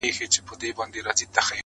مخامخ وتراشل سوي بت ته گوري.